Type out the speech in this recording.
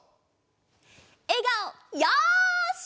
えがおよし！